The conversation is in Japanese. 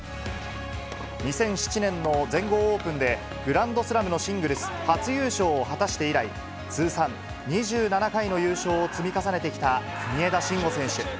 ２００７年の全豪オープンでグランドスラムのシングルス、初優勝を果たして以来、通算２７回の優勝を積み重ねてきた国枝慎吾選手。